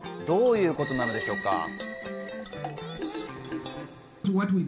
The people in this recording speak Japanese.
どういうことなのでしょうか。